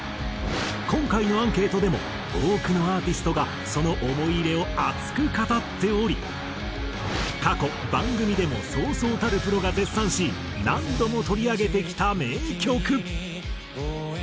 今回のアンケートでも多くのアーティストがその思い入れを熱く語っており過去番組でもそうそうたるプロが絶賛し何度も取り上げてきた名曲。